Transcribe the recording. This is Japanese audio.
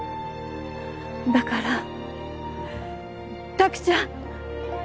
だから卓ちゃん！